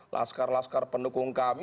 laskar laskar pendukung kami